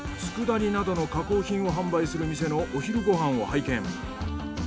佃煮などの加工品を販売する店のお昼ご飯を拝見。